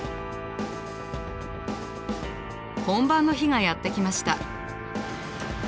本番の日がやって来ました。